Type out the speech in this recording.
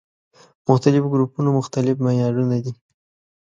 مختلفو ګروپونو مختلف معيارونه دي.